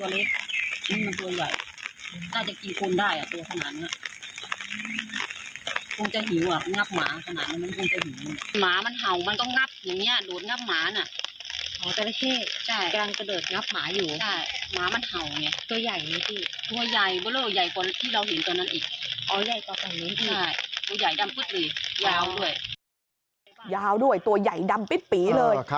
เรายาทำปริปหรือยาวด้วยตัวใหญ่ดำปิดปีเลย